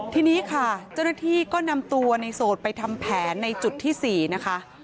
ทีนี้ค่ะเจ้าหน้าที่ก็นำตัวในโสดไปทำแผนในจุดที่๔นะคะ